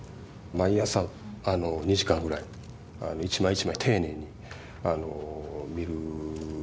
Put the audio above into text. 毎朝２時間ぐらい一枚一枚丁寧に見るしかないですね。